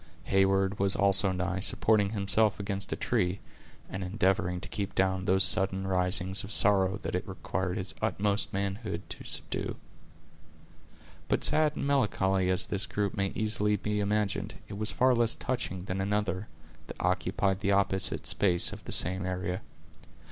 Heyward was also nigh, supporting himself against a tree, and endeavoring to keep down those sudden risings of sorrow that it required his utmost manhood to subdue. But sad and melancholy as this group may easily be imagined, it was far less touching than another, that occupied the opposite space of the same area.